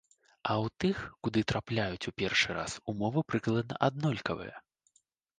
А ў тых, куды трапляюць у першы раз, умовы прыкладна аднолькавыя.